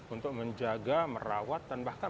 untuk menjaga merawat dan bahkan